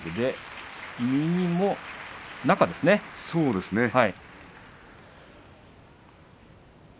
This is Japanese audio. そうですね。